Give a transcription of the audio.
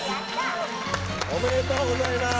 おめでとうございます。